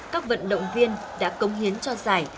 các vận động viên đã công hiến cho giải